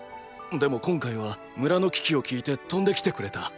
でも今回は村の危機を聞いて飛んで来てくれた。